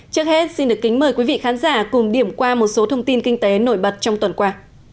trước hết xin được kính mời quý vị khán giả cùng điểm qua một số thông tin kinh tế nổi bật trong tuần qua